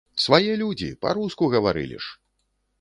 Свае людзі, па-руску гаварылі ж!